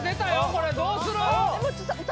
これどうする？